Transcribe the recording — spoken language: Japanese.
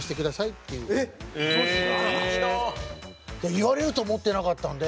言われると思ってなかったんで。